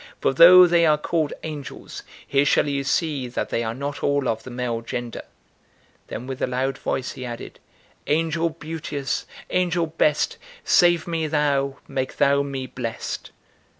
for though they are called angels, here shall ye see that they are not all of the male gender." Then with a loud voice he added: "Angel beauteous, angel best, Save me thou, make thou me blest."